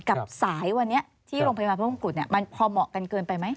กับสายวันนี้ที่โรงพยาบาลพระมงกุฎมันพอเหมาะกันเกินไปไหม